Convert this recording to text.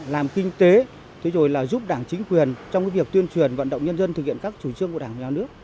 làm kinh tế thế rồi là giúp đảng chính quyền trong cái việc tuyên truyền vận động nhân dân thực hiện các chủ trương của đảng nhà nước